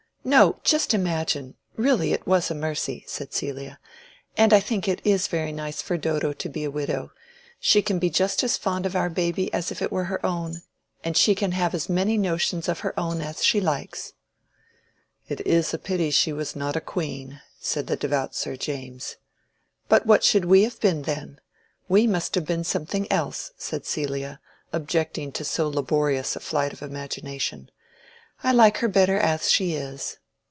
"No! just imagine! Really it was a mercy," said Celia; "and I think it is very nice for Dodo to be a widow. She can be just as fond of our baby as if it were her own, and she can have as many notions of her own as she likes." "It is a pity she was not a queen," said the devout Sir James. "But what should we have been then? We must have been something else," said Celia, objecting to so laborious a flight of imagination. "I like her better as she is."